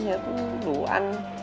thì nó cũng đủ ăn